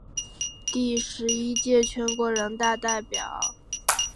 第十一届全国人大代表。